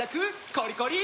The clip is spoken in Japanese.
コリコリ！